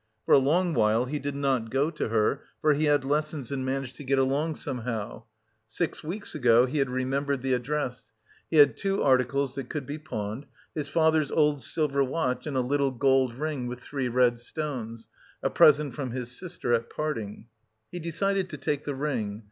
For a long while he did not go to her, for he had lessons and managed to get along somehow. Six weeks ago he had remembered the address; he had two articles that could be pawned: his father's old silver watch and a little gold ring with three red stones, a present from his sister at parting. He decided to take the ring.